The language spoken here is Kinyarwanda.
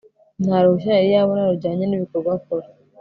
nta ruhushya yari yabona rujyanye n'ibikorwa akora